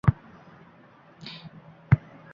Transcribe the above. — Moriko! – dedim yolvorib. – Jonim Moriko!